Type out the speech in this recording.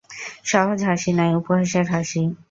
সহজ হাসি নয়, উপহাসের হাসি।